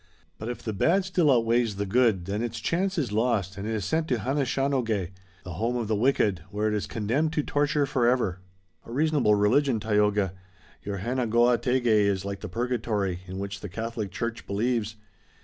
But if the bad still outweighs the good then its chance is lost and it is sent to Hanishaonogeh, the home of the wicked, where it is condemned to torture forever." "A reasonable religion, Tayoga. Your Hanegoategeh is like the purgatory, in which the Catholic church believes.